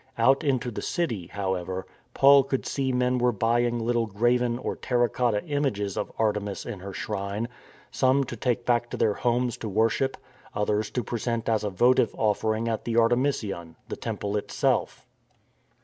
Out in the city, however, Paul could see men were buying little graven or terra cotta images of Artemis in her shrine, some to take back to their homes to worship, others to THE DEFIANCE OF ARTEMIS 261 present as a votive offering at the Artemision, the temple itself.